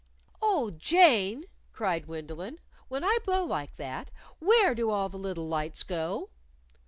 "Oh, Jane," cried Gwendolyn, "when I blow like that, where do all the little lights go?"